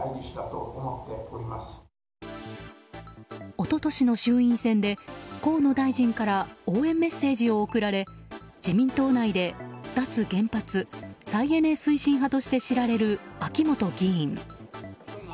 一昨年の衆院選で河野大臣から応援メッセージを送られ自民党内で脱原発・再エネ推進派として知られる秋本議員。